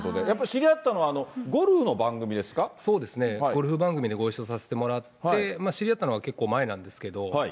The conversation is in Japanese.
やっぱり知り合ったのは、ゴルフそうですね、ゴルフ番組でご一緒させてもらって、知り合ったのは結構前なんですけれども。